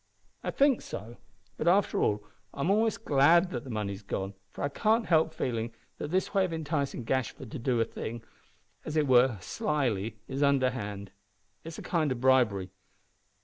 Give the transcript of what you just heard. "I think so; but, after all, I'm almost glad that the money's gone, for I can't help feeling that this way of enticing Gashford to do a thing, as it were slily, is underhand. It is a kind of bribery."